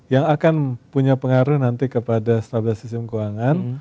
yang akan punya pengaruh nanti kepada stabilitas sistem keuangan